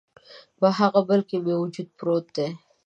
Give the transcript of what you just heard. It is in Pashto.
په هغه بل کي مې وجود پروت دی